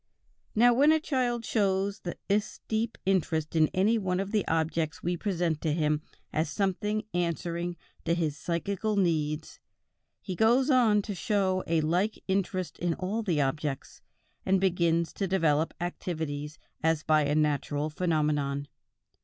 Now when a child once shows this deep interest in any one of the objects we present to him as something answering to his psychical needs, he goes on to show a like interest in all the objects, and begins to develop activities as by a natural phenomenon.